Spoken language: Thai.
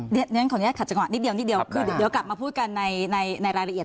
เดี๋ยวขออนุญาตขัดจังหวะนิดเดียวนิดเดียวคือเดี๋ยวกลับมาพูดกันในรายละเอียด